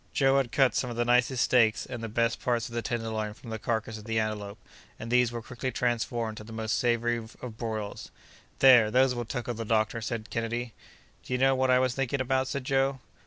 Joe had cut some of the nicest steaks and the best parts of the tenderloin from the carcass of the antelope, and these were quickly transformed to the most savory of broils. "There, those will tickle the doctor!" said Kennedy. "Do you know what I was thinking about?" said Joe.